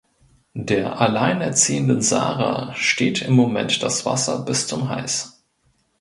Der alleinerziehenden Sarah steht im Moment das Wasser bis zum Hals.